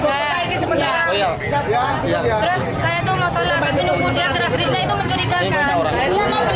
terus saya tuh masalah tapi nunggu dia gerak geriknya itu mencurigakan